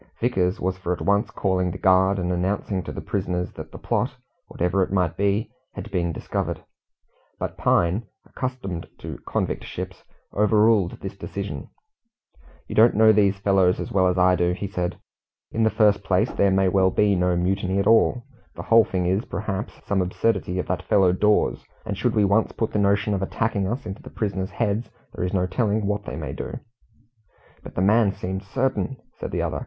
Vickers was for at once calling the guard, and announcing to the prisoners that the plot whatever it might be had been discovered; but Pine, accustomed to convict ships, overruled this decision. "You don't know these fellows as well as I do," said he. "In the first place there may be no mutiny at all. The whole thing is, perhaps, some absurdity of that fellow Dawes and should we once put the notion of attacking us into the prisoners' heads, there is no telling what they might do." "But the man seemed certain," said the other.